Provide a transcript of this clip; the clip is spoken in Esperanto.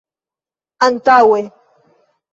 antaŭe